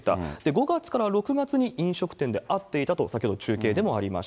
５月から６月に飲食店で会っていたと先ほど中継でもありました。